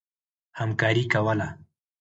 همکاري کوله.